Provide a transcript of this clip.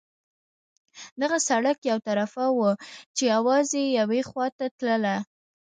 دغه سړک یو طرفه وو، چې یوازې یوې خوا ته تلل.